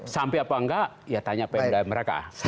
sampai apa enggak ya tanya pemda mereka